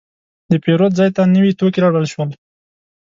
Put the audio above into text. د پیرود ځای ته نوي توکي راوړل شول.